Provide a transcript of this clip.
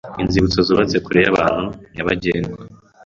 Inzibutso zubatse kure y ahantu nyabagendwa